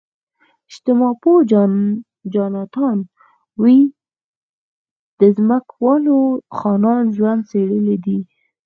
اجتماع پوه جاناتان وی د ځمکوالو خانانو ژوند څېړلی دی.